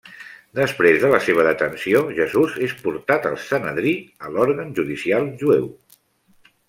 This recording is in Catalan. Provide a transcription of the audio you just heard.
Després de la seva detenció, Jesús és portat al Sanedrí, a l'òrgan judicial jueu.